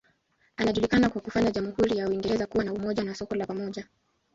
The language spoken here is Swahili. Anajulikana kwa kufanya jamhuri ya Uingereza kuwa na umoja na soko la pamoja.